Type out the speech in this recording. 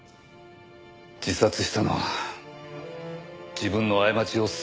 自殺したのは自分の過ちを責めての事か。